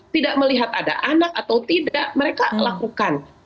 tidak melihat ada anak atau tidak mereka lakukan